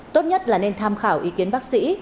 tốt nhất là nên tham khảo ý kiến bác sĩ